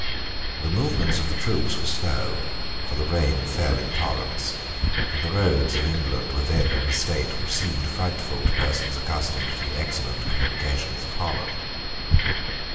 The movements of the troops were slow: for the rain fell in torrents; and the roads of England were then in a state which seemed frightful to persons accustomed to the excellent communications of Holland.